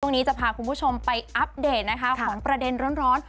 ตรงนี้จะพาคุณผู้ชมไปอัปเดตของประเด็นร้อน